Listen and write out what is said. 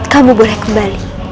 kamu boleh kembali